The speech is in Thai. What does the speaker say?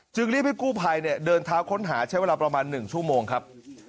รีบให้กู้ภัยเดินเท้าค้นหาใช้เวลาประมาณ๑ชั่วโมงครับ